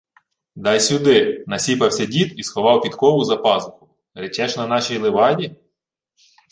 — Дай сюди — насіпався дід і сховав підкову за пазуху. — Речеш, на нашій леваді?